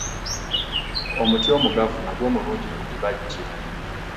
Omuti omugavu nagwo mulungi ku bibajje.